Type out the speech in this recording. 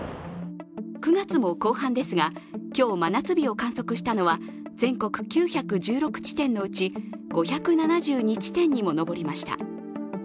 ９月も後半ですが今日真夏日を観測したのは全国９１６地点のうち、５７２地点にも上りました。